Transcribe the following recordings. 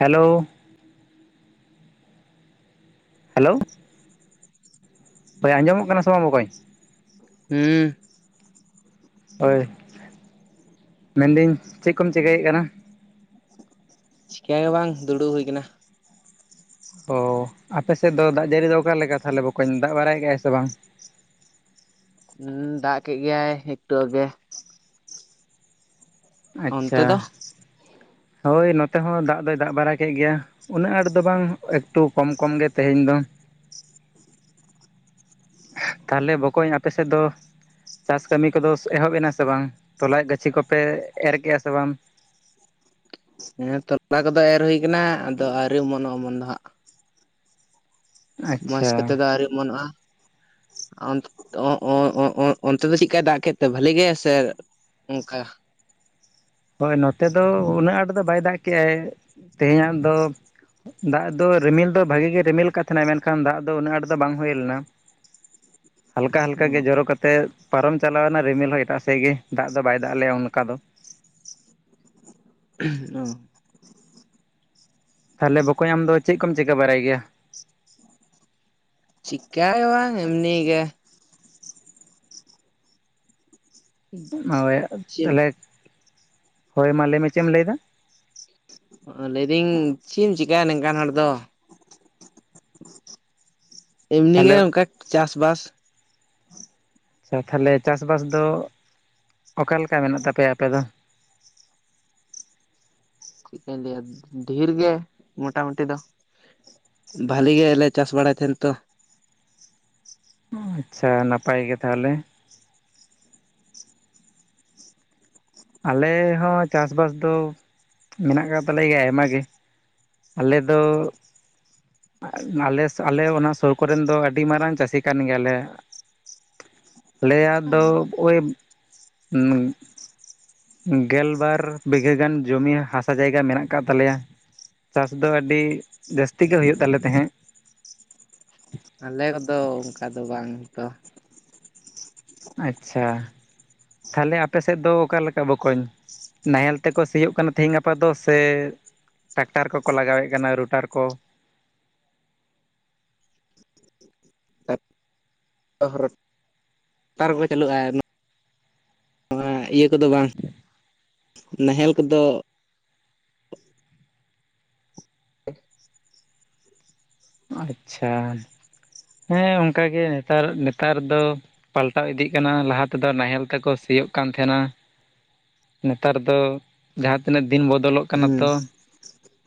Hello. Hello. ᱦᱳᱭ ᱟᱸᱡᱚᱢᱚᱜ ᱠᱟᱱᱟ ᱥᱮ ᱵᱟᱝ ᱵᱚᱠᱚᱧ? ᱦᱩᱸ᱾ ᱦᱳᱭ, ᱢᱮᱱᱫᱟᱹᱧ ᱪᱮᱫ ᱠᱚᱢ ᱪᱤᱠᱟᱹᱭᱮᱫ ᱠᱟᱱᱟ? ᱪᱤᱠᱟᱹ ᱜᱮ ᱵᱟᱝ ᱫᱩᱲᱩᱵ ᱦᱩᱭ ᱠᱟᱱᱟ᱾ ᱚᱻ, ᱟᱯᱮ ᱥᱮᱫ ᱫᱚ ᱫᱟᱜ ᱡᱟᱹᱲᱤ ᱫᱚ ᱚᱠᱟ ᱞᱮᱠᱟ ᱛᱟᱦᱚᱞᱮ ᱵᱚᱠᱚᱧ ᱫᱟᱜ ᱵᱟᱲᱟᱭᱮᱫ ᱜᱮᱭᱟ ᱥᱮ ᱵᱟᱝ? ᱦᱩᱸ ᱫᱟᱜ ᱠᱮᱜ ᱜᱮᱭᱟᱭ ᱮᱠᱴᱩ ᱟᱜᱮ᱾ ᱟᱪᱪᱷᱟ᱾ ᱚᱱᱛᱮ ᱫᱚ ᱦᱳᱭ ᱱᱚᱛᱮ ᱦᱚᱸ ᱫᱟᱜ ᱫᱚᱭ ᱫᱟᱜ ᱵᱟᱲᱟ ᱠᱮᱜ ᱜᱮᱭᱟ ᱩᱱᱟᱹᱜ ᱟᱸᱴ ᱫᱚ ᱵᱟᱝ ᱮᱠᱴᱩ ᱠᱚᱢ ᱠᱚᱢ ᱜᱮ ᱛᱮᱦᱮᱧ ᱫᱚ᱾ ᱛᱟᱦᱚᱞᱮ ᱵᱚᱠᱚᱧ ᱟᱯᱮ ᱥᱮᱫ ᱫᱚ ᱪᱟᱥ ᱠᱟᱹᱢᱤ ᱠᱚᱫᱚ ᱮᱦᱚᱵ ᱮᱱᱟ ᱥᱮ ᱵᱟᱝ? ᱛᱚᱞᱟᱭ ᱜᱟᱹᱪᱷᱤ ᱠᱚᱯᱮ ᱮᱨ ᱠᱮᱜ-ᱟ ᱥᱮ ᱵᱟᱝ? ᱦᱮᱸ ᱛᱚᱞᱟ ᱠᱚᱫᱚ ᱮᱨ ᱦᱩᱭ ᱠᱟᱱᱟ ᱟᱫᱚ ᱟᱹᱣᱨᱤ ᱚᱢᱚᱱᱚᱜ ᱚᱢᱚᱱ ᱫᱚ ᱦᱟᱸᱜ, ᱢᱚᱸᱡᱽ ᱠᱚᱛᱮ ᱟᱪᱪᱷᱟ ᱫᱚ ᱟᱹᱣᱨᱤ ᱚᱢᱚᱱᱚᱜᱼᱟ᱾ ᱚᱱᱛᱮ‌ ᱚᱸᱻᱚᱸᱻ ᱚᱸᱻ ᱚᱸᱻ ᱚᱱᱛᱮ ᱫᱚ ᱪᱮᱫᱠᱟᱭ ᱫᱟᱜ ᱠᱮᱫ ᱛᱮ ᱵᱷᱟᱹᱞᱤ ᱜᱮ ᱥᱮ ᱚᱝᱠᱟ? ᱦᱳᱭ ᱱᱚᱛᱮ ᱫᱚ ᱩᱱᱟᱹᱜ ᱟᱸᱴ ᱫᱚ ᱵᱟᱭ ᱫᱟᱜ ᱠᱮᱜ-ᱟᱭ ᱛᱮᱦᱮᱧᱟᱜ ᱫᱚ, ᱫᱟᱜ ᱫᱚ ᱨᱤᱢᱤᱞ ᱫᱚ ᱵᱷᱟᱜᱤ ᱜᱮ ᱨᱤᱢᱤᱞ ᱠᱟᱜ ᱛᱟᱦᱮᱸᱱᱟᱭ ᱢᱮᱱᱠᱷᱟᱱ ᱫᱟᱜ ᱫᱚ ᱩᱱᱟᱹᱜ ᱟᱸᱴ ᱫᱚ ᱵᱟᱝ ᱦᱩᱭ ᱞᱮᱱᱟ᱾ [inaudible] ᱦᱟᱞᱠᱟ ᱦᱟᱞᱠᱟ ᱜᱮ ᱡᱚᱨᱚ ᱠᱟᱛᱮᱫ ᱯᱟᱨᱚᱢ ᱪᱟᱞᱟᱣᱱᱟ ᱨᱤᱢᱤᱞ ᱦᱚᱸ ᱮᱴᱟᱜ ᱥᱮᱫ ᱜᱮ ᱫᱟᱜ ᱫᱚ ᱵᱟᱭ ᱫᱟᱜ ᱞᱮᱭᱟ ᱚᱱᱠᱟ ᱫᱚ᱾ ᱚ ᱛᱟᱦᱚᱞᱮ ᱵᱚᱠᱚᱧ ᱟᱢ ᱫᱚ ᱪᱮᱫ ᱠᱚᱢ ᱪᱤᱠᱟᱹ ᱵᱟᱲᱟᱭ ᱜᱮᱭᱟ? ᱪᱤᱠᱟᱹ ᱦᱚᱸ ᱵᱟᱝ ᱮᱢᱱᱤ ᱜᱮ᱾ ᱦᱳᱭ ᱪᱮᱫ ᱛᱟᱦᱚᱞᱮ ᱦᱳᱭ ᱢᱟ ᱞᱟᱹᱭ ᱢᱮ ᱪᱮᱫ ᱮᱢ ᱞᱟᱹᱭ ᱫᱟ᱾ ᱞᱟᱹᱭ ᱫᱟᱹᱧ ᱪᱮᱫ ᱮᱢ ᱪᱤᱠᱟᱭᱟ ᱱᱚᱝᱠᱟᱱ ᱦᱚᱲ ᱫᱚ᱾ ᱮᱢᱱᱤ ᱛᱟᱦᱚᱞᱮ ᱜᱮ ᱚᱱᱠᱟ ᱪᱟᱥᱵᱟᱥ, [inaudible] ᱟᱨ ᱛᱟᱦᱚᱞᱮ ᱪᱟᱥ ᱵᱟᱥ ᱫᱚ ᱚᱠᱟᱞᱮᱠᱟ ᱢᱮᱱᱟᱜ ᱛᱟᱯᱮᱭᱟ ᱟᱯᱮ ᱫᱚ? ᱪᱮᱫ ᱠᱟᱧ ᱞᱟᱸᱭᱟ ᱰᱷᱮᱨ ᱜᱮ ᱢᱚᱴᱟᱢᱩᱴᱤ ᱫᱚ᱾ ᱵᱷᱟᱹᱞᱤ ᱜᱮᱞᱮ ᱪᱟᱥ ᱵᱟᱲᱟᱭ ᱛᱟᱦᱮᱱ ᱛᱚ᱾ ᱟᱪᱪᱷᱟ, ᱱᱟᱯᱟᱭ ᱜᱮ ᱛᱟᱦᱚᱞᱮ᱾ ᱟᱞᱮ ᱦᱚᱸ ᱪᱟᱥ ᱵᱟᱥ ᱫᱚ ᱢᱮᱱᱟᱜ ᱟᱠᱟᱫ ᱛᱟᱞᱮ ᱜᱮᱭᱟ ᱟᱭᱢᱟ ᱜᱮ, ᱟᱞᱮᱫ ᱫᱚ ᱟᱞᱮ ᱟᱞᱮ ᱚᱱᱟ ᱥᱩᱨ ᱠᱚᱨᱮᱱ ᱫᱚ ᱟᱹᱰᱤ ᱢᱟᱨᱟᱝ ᱪᱟᱹᱥᱤ ᱠᱟᱱ ᱜᱮᱭᱟᱞᱮ᱾ ᱟᱞᱮᱭᱟᱜ ᱫᱚ ᱳᱭ ᱜᱮᱞᱵᱟᱨ ᱵᱤᱜᱷᱟᱹ ᱜᱟᱱ ᱡᱚᱢᱤ ᱦᱟᱥᱟ ᱡᱟᱭᱜᱟ ᱢᱮᱱᱟᱜ ᱟᱠᱟᱫ ᱛᱟᱞᱮᱭᱟ᱾ ᱪᱟᱥ ᱫᱚ ᱟᱹᱰᱤ ᱡᱟᱹᱥᱛᱤ ᱜᱮ ᱦᱩᱭᱩᱜ ᱛᱟᱞᱮ ᱛᱟᱦᱮᱸᱫ᱾ ᱟᱞᱮ ᱠᱚᱫᱚ ᱚᱱᱠᱟ ᱫᱚ ᱵᱟᱝ ᱛᱚ᱾ ᱟᱪᱪᱷᱟ, ᱛᱟᱦᱚᱞᱮ ᱟᱯᱮ ᱥᱮᱫ ᱫᱚ ᱚᱠᱟᱞᱮᱠᱟ ᱵᱚᱠᱚᱧ? ᱱᱟᱦᱮᱞ ᱛᱮᱠᱚ ᱥᱤᱭᱳᱜ ᱠᱟᱱᱟ ᱛᱤᱦᱤᱧ ᱜᱟᱯᱟ ᱫᱚ ᱥᱮ ᱴᱟᱠᱴᱟᱨ ᱠᱚᱠᱚ ᱞᱟᱜᱟᱣᱮᱫ ᱠᱟᱱᱟ ᱨᱩᱴᱟᱨ ᱠᱚ? [unintelligible] ᱪᱟᱹᱞᱩᱜᱼᱟ ᱱᱚᱣᱟ ᱤᱭᱟᱹ ᱠᱚᱫᱚ ᱵᱟᱝ ᱱᱟᱦᱮᱞ ᱠᱚᱫᱚ [unintelligible] ᱟᱪᱪᱷᱟ, ᱦᱮᱸ ᱚᱱᱠᱟᱜᱮ ᱱᱮᱛᱟᱨ ᱱᱮᱛᱟᱨ ᱫᱚ ᱯᱟᱞᱴᱟᱣ ᱤᱫᱤᱜ ᱠᱟᱱᱟ ᱞᱟᱦᱟ ᱛᱮᱫᱚ ᱱᱟᱦᱮᱞ ᱛᱮᱠᱚ ᱥᱤᱭᱳᱜ ᱠᱟᱱ ᱛᱟᱦᱮᱸᱱᱟ᱾ ᱱᱮᱛᱟᱨ ᱫᱚ ᱡᱟᱦᱟᱸ ᱛᱤᱱᱟᱹᱜ ᱫᱤᱱ ᱵᱚᱫᱚᱞᱚᱜ ᱠᱟᱱᱟ ᱦᱮᱸ ᱛᱚ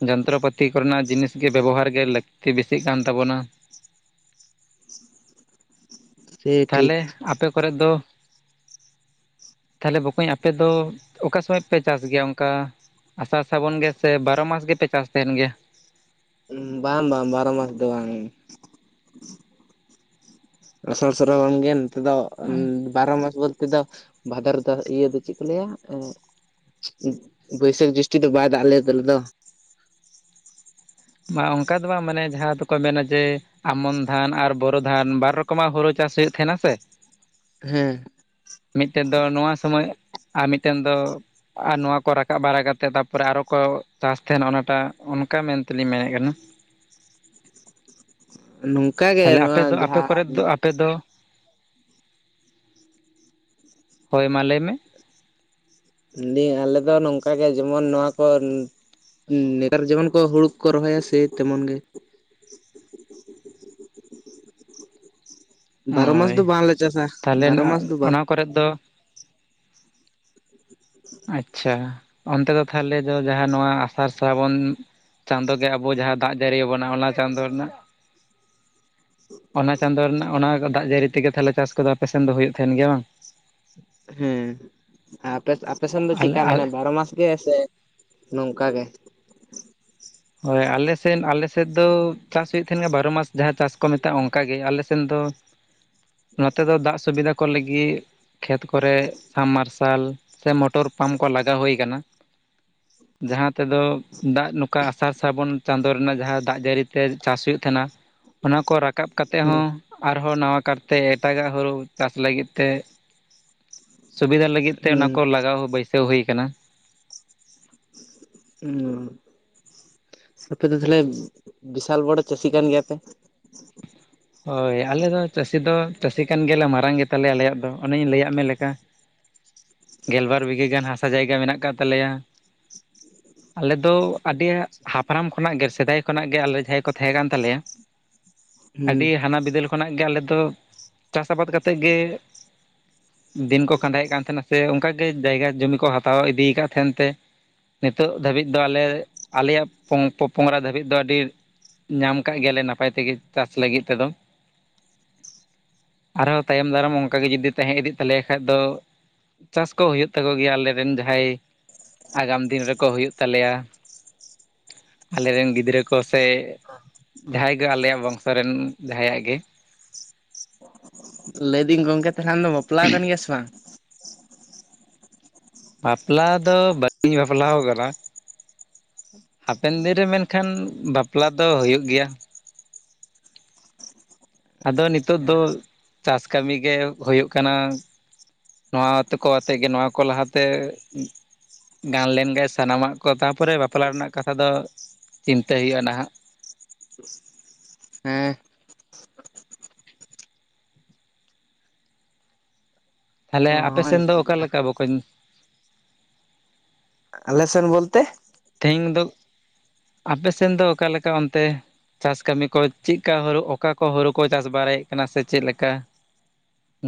ᱡᱚᱱᱛᱨᱚᱯᱟᱹᱛᱤ ᱠᱚᱨᱮᱱᱟᱜ ᱡᱤᱱᱤᱥ ᱜᱮ ᱵᱮᱵᱚᱦᱟᱨ ᱜᱮ ᱞᱟᱹᱠᱛᱤ ᱵᱮᱥᱤᱜ ᱠᱟᱱ ᱛᱟᱵᱚᱱᱟ᱾ ᱥᱮ ᱴᱷᱤᱠ ᱛᱟᱦᱚᱞᱮ ᱟᱯᱮ ᱠᱚᱨᱮ ᱫᱚ ᱛᱟᱦᱚᱞᱮ ᱵᱚᱠᱚᱧ ᱟᱯᱮ ᱫᱚ ᱚᱠᱟ ᱥᱚᱢᱚᱭ ᱯᱮ ᱪᱟᱥ ᱜᱮᱭᱟ? ᱚᱱᱠᱟ ᱟᱥᱟᱲ ᱥᱟᱵᱚᱱ ᱜᱮ ᱥᱮ ᱵᱟᱨᱚ ᱢᱟᱥ ᱜᱮᱯᱮ ᱪᱟᱥ ᱛᱟᱦᱮᱱ ᱜᱮᱭᱟ? ᱵᱟᱝ ᱵᱟᱝ ᱵᱟᱨᱚ ᱢᱟᱥ ᱫᱚ ᱵᱟᱝ᱾ ᱟᱥᱟᱲ ᱥᱚᱨᱟᱵᱚᱱ ᱱᱛᱮ ᱫᱚ ᱵᱟᱨᱚ ᱢᱟᱥ ᱵᱚᱞᱛᱮ ᱫᱚ ᱵᱷᱟᱫᱚᱨ ᱫᱚ ᱤᱭᱟᱹ ᱫᱚ ᱪᱮᱫ ᱠᱚ ᱞᱟᱹᱭᱟ ᱮ ᱵᱟᱹᱭᱥᱟᱹᱠᱷ ᱡᱩᱥᱴᱤ ᱫᱚ ᱵᱟᱭ ᱫᱟᱜ ᱟᱞᱮᱭᱟ ᱟᱞᱮ ᱫᱚ, ᱢᱟ ᱚᱱᱠᱟ ᱫᱚ ᱵᱟᱝ ᱢᱟᱱᱮ ᱡᱟᱦᱟᱸ ᱫᱚᱠᱚ ᱢᱮᱱᱟ ᱡᱮ ᱟᱢᱚᱱ ᱫᱷᱟᱱ ᱟᱨ ᱵᱚᱨᱚ ᱫᱷᱟᱱ ᱵᱟᱨ ᱨᱚᱠᱚᱢᱟᱜ ᱦᱩᱲᱩ ᱪᱟᱥ ᱦᱩᱭᱩᱜ ᱛᱟᱦᱮᱱᱟ ᱥᱮ᱾ ᱦᱮᱸ ᱢᱤᱫᱴᱮᱱ ᱫᱚ ᱱᱚᱣᱟ ᱥᱚᱢᱚᱭ ᱟᱨ ᱢᱤᱫᱴᱮᱱ ᱫᱚ ᱟᱨ ᱱᱚᱣᱟ ᱠᱚ ᱨᱟᱠᱟᱵ ᱵᱟᱲᱟ ᱠᱟᱛᱮᱫ ᱛᱟᱯᱚᱨᱮ ᱟᱨᱚ ᱠᱚ ᱪᱟᱥ ᱛᱟᱦᱮᱱᱟ ᱚᱱᱟᱴᱟᱜ ᱚᱱᱠᱟ ᱢᱮᱱᱛᱮ ᱛᱮᱞᱤᱧ ᱢᱮᱱᱮᱫ ᱠᱟᱱᱟ᱾ ᱱᱚᱝᱠᱟ ᱜᱮ ᱛᱟᱦᱚᱞᱮ ᱟᱯᱮ ᱱᱚᱣᱟ ᱫᱚ ᱟᱯᱮ ᱡᱟᱦᱟᱸ ᱠᱚᱨᱮᱫ ᱫᱚ ᱟᱯᱮ ᱫᱚ ᱦᱳᱭ ᱢᱟ ᱞᱟᱹᱭ ᱢᱮ᱾ ᱢᱮᱱᱫᱤᱧ ᱟᱞᱮ ᱫᱚ ᱱᱚᱝᱠᱟ ᱜᱮ ᱡᱮᱢᱚᱱ ᱱᱚᱣᱟ ᱠᱚ ᱱᱮᱛᱟᱨ ᱡᱮᱢᱚᱱ ᱠᱚ ᱦᱩᱲᱩ ᱠᱚ ᱨᱚᱦᱚᱭᱟ ᱥᱮ ᱛᱮᱢᱚᱱ ᱜᱮ᱾ ᱵᱟᱨᱚ ᱢᱟᱥ ᱫᱚ ᱦᱳᱭ ᱵᱟᱝᱞᱮ ᱪᱟᱥ-ᱟ ᱵᱟᱨᱚ ᱢᱟᱥ ᱫᱚ ᱵᱟᱝ᱾ ᱠᱚᱨᱮ ᱫᱚ- ᱟᱪᱪᱷᱟ, ᱚᱱᱛᱮ ᱫᱚ ᱛᱷᱟᱞᱮ ᱫᱚ ᱡᱟᱦᱟ ᱱᱚᱣᱟ ᱟᱥᱟᱨ ᱥᱨᱟᱵᱚᱱ ᱪᱟᱸᱫᱳ ᱜᱮ ᱟᱵᱚ ᱡᱟᱦᱟ ᱫᱟᱜ ᱡᱟᱹᱨᱤᱭᱟᱵᱚᱱᱟ, ᱚᱱᱟ ᱪᱟᱸᱫᱳ ᱨᱮᱱᱟᱜ ᱚᱱᱟ ᱪᱟᱸᱫᱳ ᱨᱮᱱᱟᱜ, ᱚᱱᱟ ᱫᱟᱜ ᱡᱟᱹᱨᱤ ᱛᱮᱜᱮ ᱛᱷᱟᱞᱮ ᱪᱟᱥ ᱠᱚᱫᱚ ᱟᱯᱮᱥᱮᱱ ᱫᱚ ᱦᱩᱭᱩᱜ ᱛᱟᱦᱮᱱ ᱜᱮᱭᱟ ᱵᱟᱝ? ᱦᱮᱸ, ᱟᱯᱮ ᱟᱯᱮᱥᱱ ᱫᱚ ᱟᱞᱮ ᱪᱮᱜᱠᱟ ᱢᱟᱱᱮ ᱟᱞᱮ ᱵᱟᱨᱚ ᱢᱟᱥ- -ᱜᱮ ᱥᱮ ᱱᱚᱝᱠᱟ ᱜᱮ? ᱦᱳᱭ, ᱟᱞᱮᱥᱱ ᱟᱞᱮᱥᱮᱫ ᱫᱚ ᱪᱟᱥ ᱦᱩᱭᱩᱜ ᱛᱟᱦᱮᱱ ᱜᱮᱭᱟ ᱵᱟᱨᱚ ᱢᱟᱥ ᱡᱟᱦᱟ ᱪᱟᱥ ᱠᱚ ᱢᱮᱛᱟᱜᱼᱟ, ᱚᱱᱠᱟ ᱜᱮ ᱟᱞᱮᱥᱮᱱ ᱫᱚ ᱱᱚᱛᱮ ᱫᱚ ᱫᱟᱜ ᱥᱩᱵᱤᱫᱟ ᱠᱚ ᱞᱟᱹᱜᱤᱫ ᱠᱷᱮᱛ ᱠᱚᱨᱮ ᱥᱟᱸᱵᱢᱟᱨᱥᱟᱞ ᱥᱮ ᱢᱚᱴᱚᱨ ᱯᱟᱢ ᱠᱚ ᱞᱟᱜᱟᱣ ᱦᱩᱭ ᱟᱠᱟᱱᱟ, ᱡᱟᱦᱟᱸ ᱛᱮᱫᱚ ᱫᱟᱜ ᱱᱩ ᱚᱠᱟ ᱟᱥᱟᱨ ᱥᱟᱵᱚᱱ ᱪᱟᱸᱫᱳ ᱨᱮᱱᱟᱜ ᱡᱟᱦᱟᱸ ᱫᱟᱜ ᱡᱟᱹᱨᱤ ᱛᱮ ᱪᱟᱥ ᱦᱩᱭᱩᱜ ᱛᱟᱦᱮᱱᱟ, ᱚᱱᱟ ᱠᱚ ᱨᱟᱠᱟᱵ ᱠᱟᱛᱮ ᱦᱩᱸ ᱦᱚᱸ ᱟᱨᱦᱚᱸ ᱱᱟᱣᱟ ᱠᱟᱨᱛᱮ ᱮᱴᱟᱜᱟᱜ ᱦᱩᱨᱩ ᱪᱟᱥ ᱞᱟᱹᱜᱤᱫ ᱛᱮ, ᱥᱩᱵᱤᱫᱟ ᱞᱟᱹᱜᱤᱫ ᱛᱮ, ᱚᱱᱟ ᱦᱩᱸ ᱠᱚ ᱞᱟᱜᱟᱣ ᱵᱟᱹᱭᱥᱟᱹᱣ ᱦᱩᱭ ᱠᱟᱱᱟ᱾ ᱩᱝᱚ, ᱟᱯᱮ ᱫᱚ ᱛᱷᱟᱞᱮ ᱵᱤᱥᱟᱞ ᱵᱚᱲᱚ ᱪᱟᱥᱤ ᱠᱟᱱ ᱜᱮᱭᱟᱯᱮ! ᱦᱳᱭ, ᱟᱞᱮ ᱫᱚ ᱪᱟᱹᱥᱤ ᱫᱚ ᱪᱟᱹᱥᱤ ᱠᱟᱱ ᱜᱮᱭᱟᱞᱮ, ᱢᱟᱨᱟᱝ ᱜᱮᱛᱟᱞᱮᱭᱟ ᱟᱞᱮᱭᱟᱜ ᱫᱚ ᱚᱱᱮᱹᱧ ᱞᱟᱹᱭᱟᱜ ᱢᱮ ᱞᱮᱠᱟ, ᱜᱮᱞᱵᱟᱨ ᱵᱤᱜᱷᱟᱹ ᱜᱟᱱ ᱦᱟᱥᱟ ᱡᱟᱭᱜᱟ ᱢᱮᱱᱟᱜ ᱠᱟᱫ ᱛᱟᱞᱮᱭᱟ, ᱟᱞᱮ ᱫᱚ ᱟᱰᱤ ᱦᱟᱯᱲᱟᱢ ᱠᱷᱚᱱᱟᱜ ᱜᱮ, ᱥᱮᱫᱟᱭ ᱠᱷᱚᱱᱟᱜ ᱜᱮ, ᱟᱞᱮ ᱡᱟᱦᱟᱸᱭ ᱠᱚ ᱛᱟᱦᱮ ᱠᱟᱱ ᱛᱟᱞᱮᱭᱟ᱾ ᱦᱩᱸ ᱟᱰᱤ ᱦᱟᱱᱟ ᱵᱤᱫᱟᱹᱞ ᱠᱷᱚᱱᱟᱜ ᱜᱮ, ᱟᱞᱮ ᱫᱚ ᱪᱟᱥᱟᱵᱟᱫ ᱠᱟᱛᱮᱫ ᱜᱮ, ᱫᱤᱱ ᱠᱚ ᱠᱟᱸᱫᱟᱭᱮᱜ ᱠᱟᱱ ᱛᱟᱦᱮᱱᱟ ᱥᱮ ᱚᱱᱠᱟ ᱜᱮ, ᱡᱟᱭᱜᱟ ᱡᱩᱢᱤ ᱠᱚ ᱦᱟᱛᱟᱣ ᱤᱫᱤᱭᱟᱠᱟᱫ ᱛᱟᱦᱮᱱ ᱛᱮ, ᱱᱤᱛᱚᱜ ᱫᱷᱟᱹᱵᱤᱡ ᱫᱚ ᱟᱞᱮ, ᱟᱞᱮᱭᱟᱜ ᱯᱚᱝ ᱯᱚᱯᱚᱝᱨᱟ ᱫᱷᱟᱹᱵᱤᱡ ᱫᱚ ᱟᱹᱰᱤ ᱧᱟᱢ ᱠᱟᱜ ᱜᱮᱭᱟᱞᱮ ᱱᱟᱯᱟᱭ ᱛᱮᱜᱮ ᱪᱟᱥ ᱞᱟᱹᱜᱤᱫ ᱛᱮᱫᱚ, ᱟᱨᱦᱚ ᱛᱟᱭᱚᱢ ᱫᱟᱨᱟᱢ ᱚᱱᱠᱟ ᱜᱮ ᱡᱩᱫᱤ ᱛᱟᱦᱮᱸ ᱤᱫᱤᱜ ᱛᱟᱞᱮᱭᱟ ᱠᱷᱟᱡ ᱫᱚ ᱪᱟᱥ ᱠᱚ ᱦᱩᱭᱩᱜ ᱛᱟᱠᱚ ᱜᱮᱭᱟ, ᱟᱞᱮᱨᱮᱱ ᱡᱟᱦᱟᱭ ᱟᱜᱟᱢ ᱫᱤᱱ ᱨᱮᱠᱚ ᱦᱩᱭᱩᱜ ᱛᱟᱞᱮᱭᱟ, ᱟᱞᱮᱨᱮᱱ ᱜᱤᱫᱽᱨᱟᱹ ᱠᱚ ᱥᱮ ᱡᱟᱦᱟᱭ ᱜᱮ ᱟᱞᱮᱭᱟᱜ ᱵᱚᱝᱥ ᱠᱚᱨᱮᱱ ᱡᱟᱦᱟᱭᱟᱜ ᱜᱮ, ᱞᱟᱹᱭᱫᱤᱧ ᱜᱚᱝᱠᱮ ᱛᱟᱦᱞᱮ ᱫᱚ ᱵᱟᱯᱞᱟᱣ ᱠᱟᱱ ᱜᱮᱭᱟ ᱥᱮ ᱵᱟᱝ? ᱵᱟᱯᱞᱟ ᱫᱚ [unintelligible] ᱵᱟᱹᱞᱤᱧ ᱵᱟᱯᱞᱟᱣ ᱠᱟᱱᱟ, ᱦᱟᱯᱮᱱ ᱫᱤᱱ ᱨᱮ ᱢᱮᱱᱠᱷᱟᱱ ᱵᱟᱯᱞᱟ ᱫᱚ ᱦᱩᱭᱩᱜ ᱜᱮᱭᱟ᱾ ᱟᱫᱚ ᱱᱤᱛᱚᱜ ᱫᱚ ᱪᱟᱥ ᱠᱟᱢᱤ ᱜᱮ ᱦᱳᱭᱳᱜ ᱠᱟᱱᱟ᱾ ᱱᱚᱣᱟ ᱛᱮᱠᱚ ᱟᱛᱮᱜᱮ ᱱᱚᱣᱟ ᱠᱚ ᱞᱟᱦᱟᱛᱮ, ᱩᱸ ᱜᱟᱱ ᱞᱮᱱ ᱜᱮ ᱥᱟᱱᱟᱢᱟᱜ ᱠᱚ, ᱛᱟᱯᱚᱨᱮ ᱵᱟᱯᱞᱟ ᱨᱮᱱᱟᱜ ᱠᱟᱛᱷᱟ ᱫᱚ ᱪᱤᱱᱛᱟᱹ ᱦᱩᱭᱩᱜᱼᱟ ᱱᱟᱦᱟᱜ, ᱮᱸ, ᱛᱷᱟᱞᱮ ᱟᱯᱮᱥᱮᱱ ᱫᱚ ᱚᱠᱟ ᱞᱮᱠᱟ ᱵᱚᱠᱚᱹᱧ? ᱟᱞᱮᱥᱮᱱ ᱵᱚᱞᱛᱮ? ᱛᱷᱮᱧ ᱫᱳᱜ ᱟᱯᱮᱥᱱ ᱫᱚ ᱚᱠᱟᱞᱮᱠᱟ ᱚᱱᱛᱮ, ᱪᱟᱥ ᱠᱟᱹᱢᱤ ᱠᱚ ᱪᱮᱜᱠᱟ ᱦᱳᱨᱳ, ᱚᱠᱟ ᱠᱚ ᱦᱳᱨᱳ ᱠᱚ ᱪᱟᱥ ᱵᱟᱨᱟᱭᱮᱜ ᱠᱟᱱᱟ ᱥᱮ ᱪᱮᱫ ᱞᱮᱠᱟ?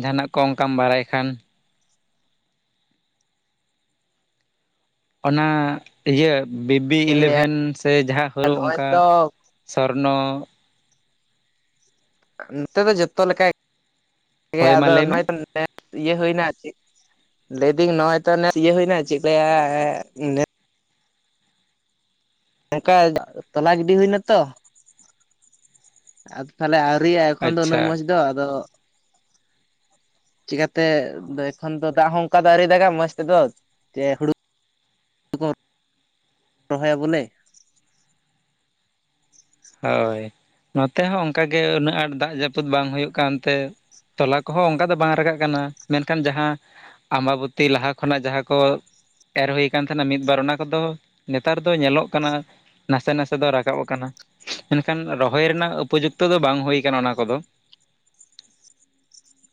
ᱡᱟᱦᱟᱱᱟᱜ ᱠᱚ ᱚᱱᱠᱟᱢ ᱵᱟᱲᱟᱭ ᱠᱷᱟᱱ, ᱚᱱᱟ ᱤᱭᱟᱹ ᱵᱤᱵᱤ ᱪᱮᱫ ᱤᱧ ᱞᱟᱹᱭᱟ ᱤᱞᱮᱵᱷᱮᱱ ᱥᱮ ᱡᱟᱦᱟ ᱦᱳᱨᱳ ᱱᱚᱜᱼᱚᱭ ᱚᱱᱠᱟ, ᱛᱚ ᱥᱚᱨᱱᱚ, ᱱᱚᱛᱮ ᱫᱚ ᱡᱚᱛᱚ ᱞᱮᱠᱟ ᱜᱮ, ᱦᱳᱭ ᱢᱟ ᱟᱫᱚ ᱞᱟᱹᱭ ᱱᱚᱜ ᱢᱮ ᱚᱭ [inaudible] [inaudible] ᱤᱭᱟᱹ ᱦᱩᱭᱱᱟ [inaudible] ᱞᱟᱹᱭᱫᱤᱧ ᱱᱚᱜᱼᱚᱭ ᱛᱚ ᱱᱮ ᱤᱭᱟᱹ ᱦᱩᱭᱱᱟ ᱪᱮᱫᱞᱟᱹᱭᱟ ᱮ ᱱᱮ ᱚᱱᱠᱟ [inaudible] ᱛᱚᱞᱟ ᱜᱤᱰᱤ ᱦᱩᱭᱱᱟᱛᱚ ᱟᱫᱚ ᱛᱷᱟᱞᱮ ᱟᱹᱣᱨᱤᱭᱟᱜ ᱮᱠᱷᱚᱱ ᱫᱚ ᱩᱱᱟᱹᱜ ᱟᱪᱪᱷᱟ ᱢᱚᱡᱽ ᱫᱚ ᱟᱫᱚ, ᱪᱮᱠᱟᱛᱮ ᱫᱚ ᱮᱠᱷᱚᱱ ᱫᱚ ᱫᱟᱜ ᱦᱚᱸ ᱚᱱᱠᱟ ᱫᱚ ᱟᱹᱣᱨᱤ ᱫᱟᱜᱟ ᱢᱚᱡᱽ ᱛᱮᱫᱚ, ᱡᱮ ᱦᱩᱲᱩ- ᱠᱚ -ᱨᱚᱦᱚᱭᱟ ᱵᱚᱞᱮᱹ, ᱦᱳᱭ, ᱱᱚᱛᱮ ᱦᱚᱸ ᱚᱱᱠᱟᱜᱮ, ᱩᱱᱟᱹᱜ ᱟᱸᱴ ᱫᱟᱜ ᱡᱟᱯᱩᱫ ᱵᱟᱝ ᱦᱩᱭᱩᱜ ᱠᱟᱱᱛᱮ- -ᱛᱚᱞᱟ ᱠᱚᱦᱚᱸ ᱚᱱᱠᱟ ᱫᱚ ᱵᱟᱝ ᱨᱟᱠᱟᱜ ᱠᱟᱱᱟ ᱢᱮᱱᱠᱷᱟᱱ ᱡᱟᱦᱟᱸ 'ᱟᱸᱵᱟᱵᱚᱛᱤ' ᱞᱟᱦᱟ ᱠᱷᱚᱱᱟᱜ ᱡᱟᱦᱟ ᱠᱚ ᱮᱨ ᱦᱩᱭ ᱟᱠᱟᱱ ᱛᱟᱦᱱᱟ ᱢᱤᱫ ᱵᱟᱨ ᱚᱱᱟ ᱠᱚᱫᱚ, ᱱᱮᱛᱟᱨ ᱫᱚ ᱧᱮᱞᱚᱜ ᱠᱟᱱᱟ, ᱱᱟᱥᱮ, ᱱᱟᱥᱮ ᱫᱚ ᱨᱟᱠᱟᱵ ᱟᱠᱟᱱᱟ ᱾ ᱢᱮᱱᱠᱷᱟᱱ, ᱨᱚᱦᱚᱭ ᱨᱮᱱᱟᱜ ᱩᱯᱚᱡᱩᱠᱛᱚ ᱫᱚ, ᱵᱟᱝ ᱦᱩᱭ ᱟᱠᱟᱱᱟ ᱚᱱᱟ ᱠᱚᱫᱚ ᱾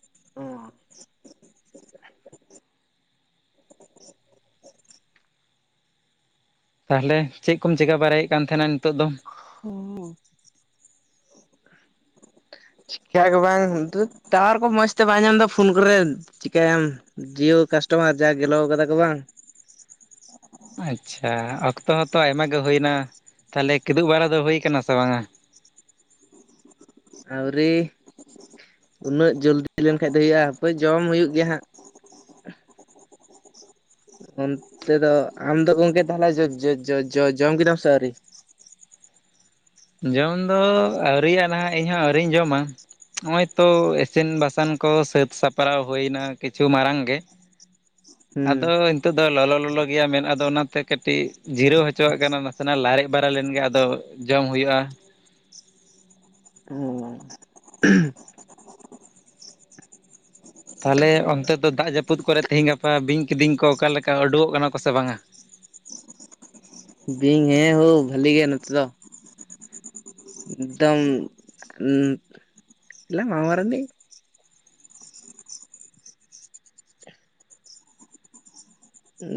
[inaudible] [inaudible] ᱛᱟᱦᱚᱞᱮ, ᱪᱮᱫ? ᱠᱚᱢ ᱪᱤᱠᱟᱹ ᱵᱟᱲᱟᱭᱮᱫ ᱠᱟᱱ ᱛᱟᱦᱮᱱᱟ, ᱱᱤᱛᱚᱜ ᱫᱚ? ᱦᱩᱸ [unintelligible] [inaudible] ᱪᱤᱠᱟ ᱜᱮ ᱵᱟᱝ? ᱴᱟᱣᱟᱨ ᱠᱚ ᱢᱚᱸᱡᱽ ᱛᱮ, ᱵᱟᱭ ᱧᱟᱢ ᱮᱫᱟ ᱯᱷᱳᱱ ᱠᱚᱨᱮ, ᱪᱤᱠᱟᱹᱭᱟᱢ? ᱡᱤᱭᱳ ᱠᱟᱥᱴᱚᱢᱟᱨ, ᱡᱟ ᱜᱮᱞᱚ ᱟᱠᱟᱫᱟ ᱠᱚ ᱵᱟᱝ? ᱟᱪᱪᱷᱟ, ᱚᱠᱛᱚ ᱦᱚᱸ ᱛᱚ ᱟᱭᱢᱟ ᱜᱮ ᱦᱩᱭ ᱮᱱᱟ ᱾ ᱛᱟᱦᱚᱞᱮ, ᱠᱤᱫᱩᱵ ᱵᱮᱲᱟ ᱫᱚ ᱦᱩᱭ ᱟᱠᱟᱱᱟ ᱥᱮ ᱵᱟᱝᱟ? ᱟᱹᱣᱨᱤ, ᱩᱱᱟᱹᱜ ᱡᱚᱞᱫᱤ ᱞᱮᱱᱠᱷᱟᱱ ᱫᱚ, ᱦᱩᱭᱩᱜᱼᱟ ᱾ ᱦᱟᱯᱚᱭ ᱡᱚᱢ ᱦᱩᱭᱩᱜ ᱜᱮᱭᱟ, ᱦᱟᱸᱜ ᱾ ᱚᱱᱛᱮ ᱫᱚ, ᱟᱢ ᱫᱚ ᱜᱚᱝᱠᱮ, ᱛᱟᱦᱚᱞᱮ, ᱡᱚ ᱡᱚ ᱡᱚ ᱡᱚᱢ, ᱠᱮᱫᱟᱢ ᱥᱮ ᱟᱹᱣᱨᱤ? ᱡᱚᱢ ᱫᱚ, ᱟᱹᱣᱨᱤᱭᱟᱜ ᱱᱷᱟᱸᱜ, ᱤᱧᱦᱚᱸ ᱟᱹᱣᱨᱤᱧ ᱡᱚᱢᱟ ᱾ ᱱᱚᱜᱼᱚᱭ ᱛᱚ, ᱤᱥᱤᱱ ᱵᱟᱥᱟᱝ ᱠᱚ, ᱥᱟᱹᱛ ᱥᱟᱯᱲᱟᱣ ᱦᱩᱭ ᱮᱱᱟ, ᱠᱤᱪᱷᱩ ᱢᱟᱲᱟᱝ ᱜᱮ ᱾ ᱦᱩᱸ ᱟᱼᱫᱚᱭ ᱾ ᱱᱤᱛᱚᱜ ᱫᱚ, ᱞᱚᱞᱚ ᱞᱚᱞᱚ ᱜᱮᱭᱟ, ᱢᱮᱱ ᱟᱫᱚ ᱚᱱᱟᱛᱮ, ᱠᱟᱹᱴᱤᱡ ᱡᱤᱨᱟᱹᱣ ᱦᱚᱪᱚᱣᱚᱜ ᱠᱟᱱᱟ ᱾ ᱱᱟᱥᱮᱱᱟᱜ ᱞᱟᱲᱮᱡ, ᱵᱟᱲᱟ ᱞᱮᱱᱜᱤ ᱟᱫᱚ ᱾ ᱡᱚᱢ ᱦᱩᱭᱩᱜᱼᱟ ᱾ ᱳᱸᱻ᱾ᱸ ᱛᱟᱦᱚᱞᱮ, ᱚᱱᱛᱮ ᱫᱚ ᱫᱟᱜ ᱡᱟᱹᱯᱩᱫ ᱠᱚᱨᱮ, ᱛᱤᱦᱤᱧ ᱜᱟᱯᱟ, ᱵᱤᱧ ᱠᱤᱰᱤᱧ ᱠᱚ, ᱚᱠᱟ ᱞᱮᱠᱟ, ᱩᱰᱩᱠᱚᱜ ᱠᱟᱱᱟ ᱠᱚ ᱥᱮ ᱵᱟᱝᱟ? ᱵᱤᱧ ᱾ ᱦᱮᱸ, ᱦᱳ ᱵᱷᱟᱹᱞᱤ ᱜᱮᱭᱟ ᱱᱚᱛᱮ ᱫᱚ ᱾ ᱫᱚᱢ ᱩ ᱢᱟ ᱢᱟᱨᱚᱱᱮ [unintelligible] ᱦᱩᱸ [inaudible]